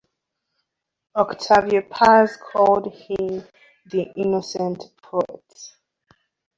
Octavio Paz called him the innocent poet.